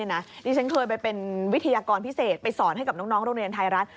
นี่ฉันเคยไปเป็นวิทยากรพิเศษไปสอนให้กับน้องโรงเรียนไทยรัฐ